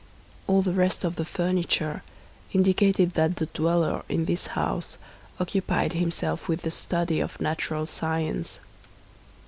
All the rest of the furniture indicated that the dweller in this house occupied himself with the study of natural science.